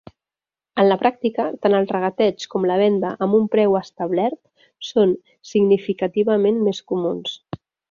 En la pràctica, tant el regateig com la venda amb un preu establert són significativament més comuns.